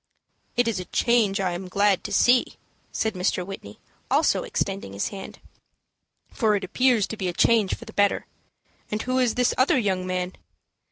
"It is a change I am glad to see," said Mr. Whitney, also extending his hand; "for it appears to be a change for the better. And who is this other young man?"